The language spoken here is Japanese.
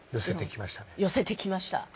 寄せてきましたね。